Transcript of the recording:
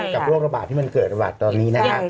โรคระบาดที่มันเกิดระบาดตอนนี้นะฮะ